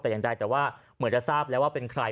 แต่อย่างใดแต่ว่าเหมือนจะทราบแล้วว่าเป็นใคร